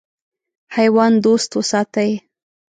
حیوان دوست وساتئ.